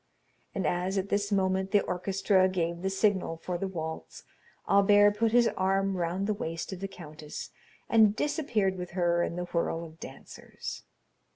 And as at this moment the orchestra gave the signal for the waltz, Albert put his arm round the waist of the countess, and disappeared with her in the whirl of dancers.